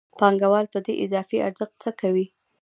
پانګوال په دې اضافي ارزښت څه کوي